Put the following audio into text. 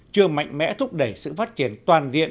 chưa mạnh mẽ thúc đẩy sự phát triển toàn diện